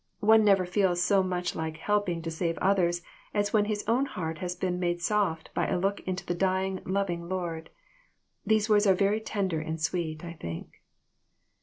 One never feels so much like helping to save others as when his own heart has been made soft by a look at the dying loving Lord. These words are very tender and sweet, I think."